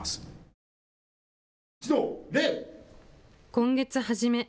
今月初め。